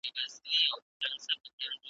چي په قسمت کی دي ازل سهار لیکلی نه دی .